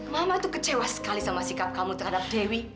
mama tuh kecewa sekali sama sikap kamu terhadap dewi